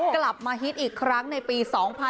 กลับมาฮิตอีกครั้งในปี๒๕๖๒